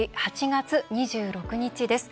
８月２６日です。